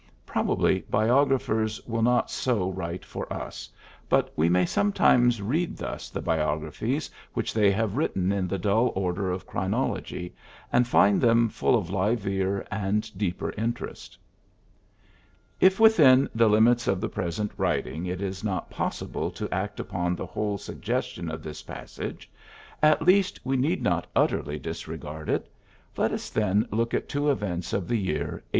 . Probably biographers will not so write for us j but we may sometimes read thus the biographies which they have written in the dull order of chro nology, and find them full of livelier and deeper interest.'^ If within the limits of the present writing it is not possible to act upon the whole suggestion of this passage, at least we need not utterly disregard it. Let us, then, look at two events of the year 1865.